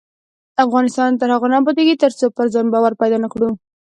افغانستان تر هغو نه ابادیږي، ترڅو پر ځان باور پیدا نکړو.